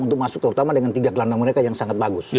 untuk masuk terutama dengan tiga gelandang mereka yang sangat bagus